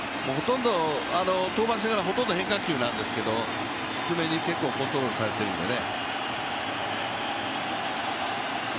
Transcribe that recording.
登板してからほとんど変化球なんですけど低めに結構コントロールされているのでね。